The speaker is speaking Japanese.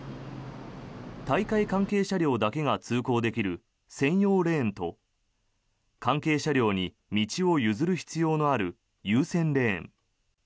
大会関係車両だけが通行できる専用レーンと関係車両に道を譲る必要のある優先レーン。